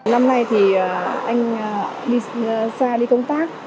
năm nay thì anh đi xa đi công tác